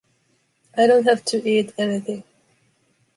I don’t have to eat anything.